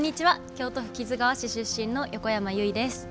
京都府木津川市出身の横山由依です。